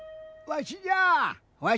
わしじゃよ。